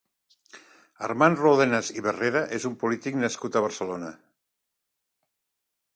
Armand Ródenas i Barrera és un polític nascut a Barcelona.